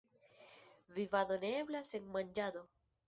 Vivado ne eblas sen manĝado.